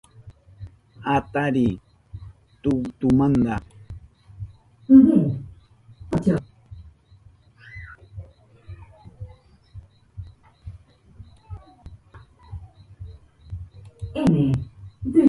Atariy tulltumanta